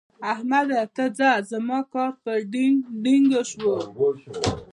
احمده! ته ځه؛ زما کار په ډينګ ډينګو شو.